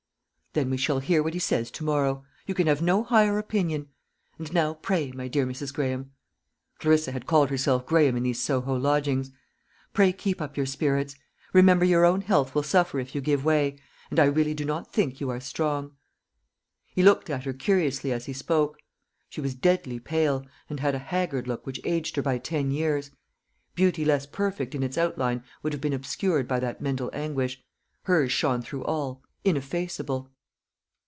"Then we shall hear what he says to morrow. You can have no higher opinion. And now pray, my dear Mrs. Graham" Clarissa had called herself Graham in these Soho lodgings "pray keep up your spirits; remember your own health will suffer if you give way and I really do not think you are strong." He looked at her curiously as he spoke. She was deadly pale, and had a haggard look which aged her by ten years: beauty less perfect in its outline would have been obscured by that mental anguish hers shone through all, ineffaceable.